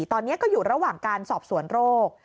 ตอนนี้ก็อยู่ระหว่างการสอบสวนโรค